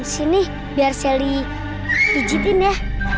sini biar sally tujuin ya